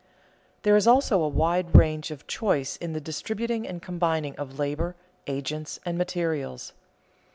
There is also a wide range of choice in the distributing and combining of labor, agents, and materials.